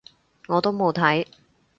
我都冇睇